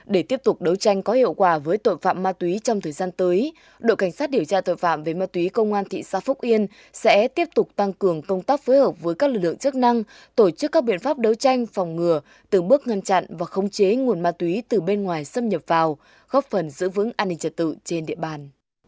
để tiếp tục đấu tranh có hiệu quả với tội phạm ma túy trong thời gian tới đội cảnh sát điều tra tội phạm về ma túy công an thị xã phúc yên sẽ tiếp tục tăng cường công tác phối hợp với các lực lượng chức năng tổ chức các biện pháp đấu tranh phòng ngừa từng bước ngăn chặn và khống chế nguồn ma túy từ bên ngoài xâm nhập vào góp phần giữ vững an ninh trật tự trên địa bàn